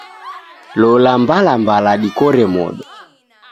Lola mbalambala dikore modo